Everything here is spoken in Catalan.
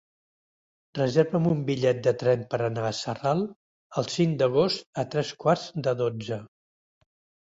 Reserva'm un bitllet de tren per anar a Sarral el cinc d'agost a tres quarts de dotze.